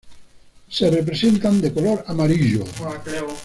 Se representan de color amarillo.